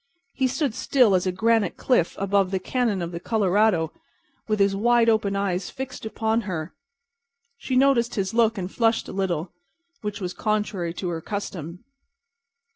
He stood still as a granite cliff above the cañon of the Colorado, with his wide open eyes fixed upon her. She noticed his look and flushed a little, which was contrary to her custom.